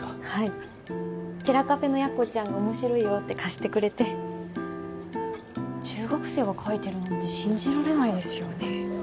はい寺カフェの弥子ちゃんが面白いよって貸してくれて中学生が書いてるなんて信じられないですよね